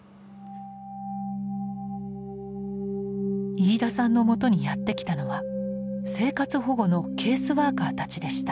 飯田さんのもとにやって来たのは生活保護のケースワーカーたちでした。